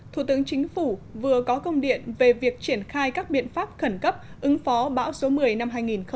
thủ tướng chính phủ vừa có công điện về việc triển khai các biện pháp khẩn cấp ứng phó bão số một mươi năm hai nghìn một mươi chín